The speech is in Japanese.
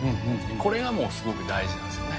これがもう、すごく大事なんです